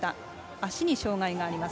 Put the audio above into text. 足に障がいがあります。